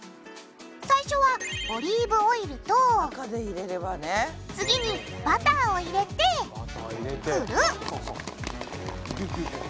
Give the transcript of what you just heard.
最初はオリーブオイルと次にバターを入れて振る！